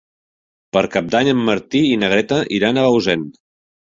Per Cap d'Any en Martí i na Greta iran a Bausen.